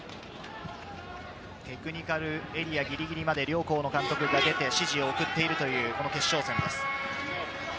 テクニカルエリアのギリギリまで両校の監督が出て指示を送っているというこの決勝戦です。